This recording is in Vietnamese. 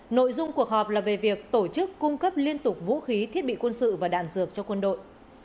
nội dung cuộc họp là về việc tổ chức cung cấp liên tục vũ khí thiết bị quân sự và đạn dược cho quân đội